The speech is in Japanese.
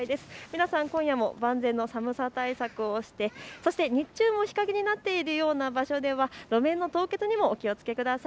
皆さん、今夜も万全な寒さ対策をして日中も日陰になっているような場所では路面の凍結にもお気をつけください。